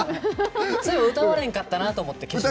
そういえば歌われへんかったなって。